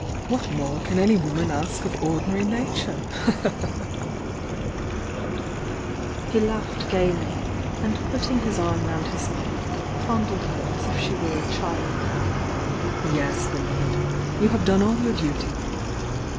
What more can any woman ask of ordinary nature?" THE VOUNG DIANA 171 He laughed gaily, and putting his arm round his mother, fondled her as if she were a child. "Yes, beloved! — you have done all your duty!"